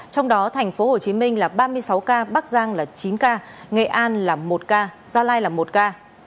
trong đó thành phố hồ chí minh là ba mươi sáu ca bắc giang là chín ca nghệ an là một ca gia lai là một ca